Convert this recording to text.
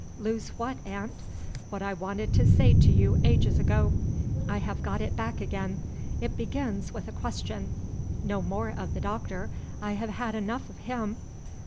"Lose what, aunt?" "What I wanted to say to you ages ago. I have got it back again it begins with a question. (No more of the doctor I have had enough of him!)